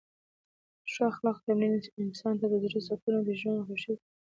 د ښو اخلاقو تمرین انسان ته د زړه سکون او د ژوند خوښۍ ورکوي.